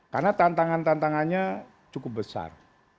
karena tantangan tantangannya cukup besar